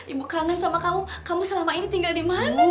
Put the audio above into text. ibu kangen sama kamu kamu selama ini tinggal di mana